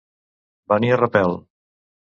Venir a repel.